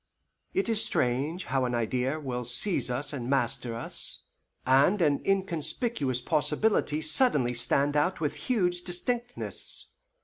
It is strange how an idea will seize us and master us, and an inconspicuous possibility suddenly stand out with huge distinctness.